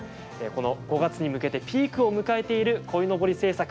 この５月に向けてピークを迎えている鯉のぼり制作。